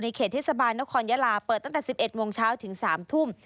เขตเทศบาลนครยาลาเปิดตั้งแต่๑๑โมงเช้าถึง๓ทุ่ม